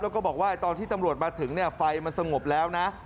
แล้วก็บอกว่าตอนที่ตำรวจมาถึงไฟมันสงบแล้วนะ